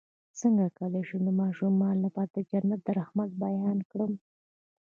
څنګه کولی شم د ماشومانو لپاره د جنت د رحمت بیان کړم